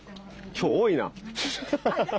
今日多いな。